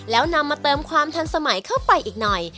แล้วนำมาเติมความทันสมัยเข้าไปอีกหน่อย